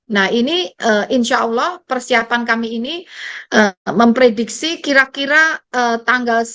nah ini insya allah persiapan kami ini memprediksi kira kira tanggal sembilan belas dua ribu dua puluh dua ribu dua puluh satu